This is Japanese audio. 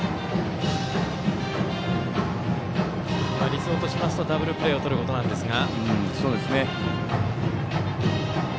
理想としますとダブルプレーをとることなんですが。